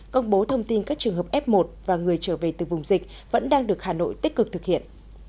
công bố thông tin các trường hợp f một và người trở về từ vùng dịch vẫn đang được hà nội tích cực thực hiện